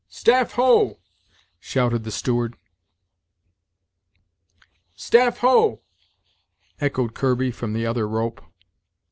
"Staff, ho!" shouted the steward. "Staff, ho!" echoed Kirby, from the other rope.